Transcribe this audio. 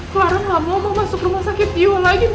clara gak mau mau masuk rumah sakit jiwa lagi ma